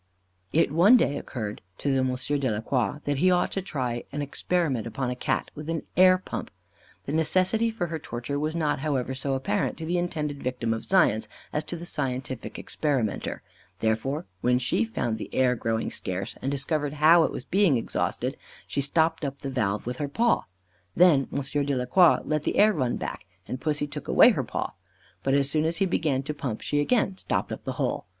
It one day occurred to M. de la Croix that he ought to try an experiment upon a Cat with an air pump. The necessity for her torture was not, however, so apparent to the intended victim of science as to the scientific experimenter. Therefore, when she found the air growing scarce, and discovered how it was being exhausted, she stopped up the valve with her paw. Then M. de la Croix let the air run back, and Pussy took away her paw, but as soon as he began to pump, she again stopped up the hole.